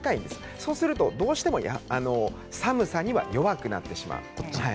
そうするとどうしても寒さには弱くなってしまいます。